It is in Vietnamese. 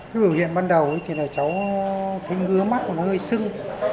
cái biểu hiện ban đầu thì là cháu thấy ngứa mắt và hơi sưng